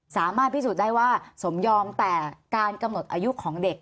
สามารถพิสูจน์ได้ว่าสมยอมแต่การกำหนดอายุของเด็ก